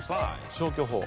消去法。